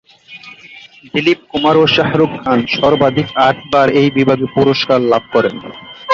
দিলীপ কুমার ও শাহরুখ খান সর্বাধিক আটবার এই বিভাগে পুরস্কার লাভ করেন।